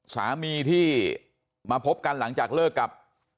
สามีที่มาพบกันหลังจากเลิกกับ